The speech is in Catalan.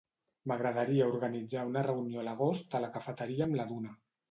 M'agradaria organitzar una reunió a l'agost a la cafeteria amb la Duna.